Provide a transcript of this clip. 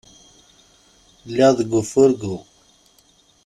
Lliɣ deg ufurgu.